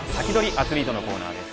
アツリートのコーナーです。